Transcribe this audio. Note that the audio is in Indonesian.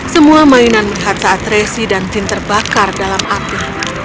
semua mainan melihat saat tracy dan tim terbakar dalam api